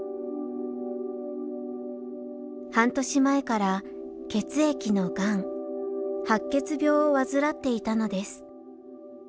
半年前から血液のがん白血病を患っていたのです。